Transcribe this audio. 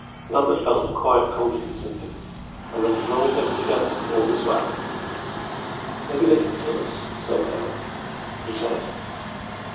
Lambert felt her quiet confidence in him, and that as long as they were together, all was well. "Maybe they can kill us, somehow," he said.